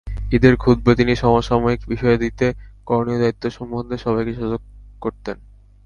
ঈদের খুতবায় তিনি সমসাময়িক বিষয়াদিতে করণীয় দায়িত্ব সম্বন্ধে সবাইকে সজাগ করতেন।